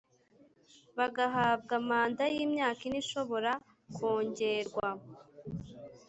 bagahabwa manda y imyaka ine ishobora ko ngerwa